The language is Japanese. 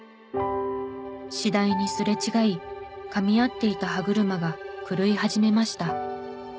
次第にすれ違いかみ合っていた歯車が狂い始めました。